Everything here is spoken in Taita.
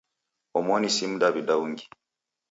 Omoni si mdaw'ida ungi.